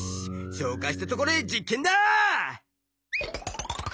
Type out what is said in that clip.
消化したところで実験だ！